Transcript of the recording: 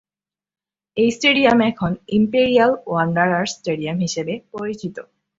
Stadium এখন Imperial Wanderers Stadium হিসাবে পরিচিত।